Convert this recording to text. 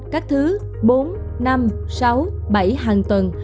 các thứ bốn năm sáu bảy hàng tuần